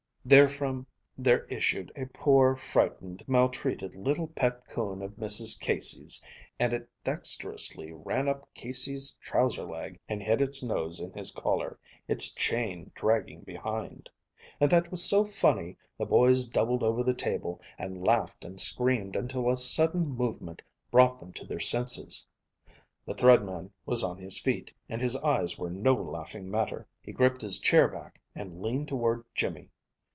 Therefrom there issued a poor, frightened, maltreated little pet coon of Mrs. Casey's, and it dexterously ran up Casey's trouser leg and hid its nose in his collar, its chain dragging behind. And that was so funny the boys doubled over the table, and laughed and screamed until a sudden movement brought them to their senses. The Thread Man was on his feet, and his eyes were no laughing matter. He gripped his chair back, and leaned toward Jimmy.